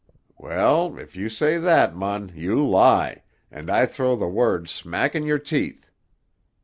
Well, if you say that, mon, you lie, and I throw the word smack in your teeth.